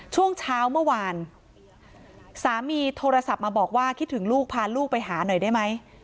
ช่วงเช้าเมื่อวานสามีโทรศัพท์มาบอกว่าคิดถึงลูกพาลูกไปหาหน่อยได้ไหม